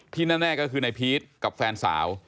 ที่แน่คือนายพีทกับแฟนสาว